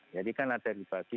jadi karena dari pagi